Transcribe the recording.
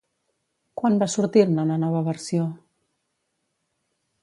Quan va sortir-ne una nova versió?